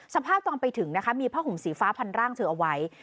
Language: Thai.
สภาพตอนไปถึงนะคะมีผ้าห่มสีฟ้าพันร่างเธอเอาไว้